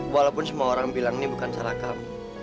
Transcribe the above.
walaupun semua orang bilang ini bukan salah kamu